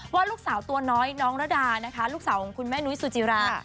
ว่าลูกสาวตัวน้อยน้องระดานะคะลูกสาวของคุณแม่นุ้ยสุจิรา